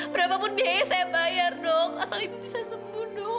berapa pun biaya yang saya bayar dok asal ibu bisa sembuh dok